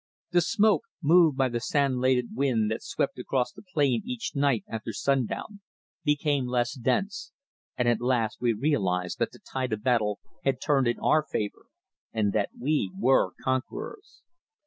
The smoke, moved by the sand laden wind that swept across the plain each night after sundown, became less dense, and at last we realized that the tide of battle had turned in our favour, and that we were conquerors.